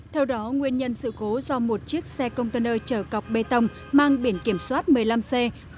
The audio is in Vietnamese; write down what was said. theo đó nguyên nhân sự cố do một chiếc xe container trở cọc bê tông mang biển kiểm soát một mươi năm c bốn nghìn bốn trăm bảy mươi bảy